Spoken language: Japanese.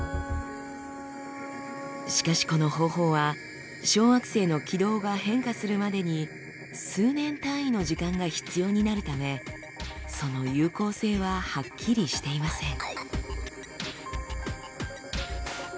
しかしこの方法は小惑星の軌道が変化するまでに数年単位の時間が必要になるためその有効性ははっきりしていません。